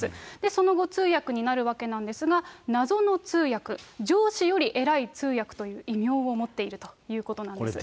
その後、通訳になるわけなんですが、謎の通訳、上司より偉い通訳という異名を持っているということなんです。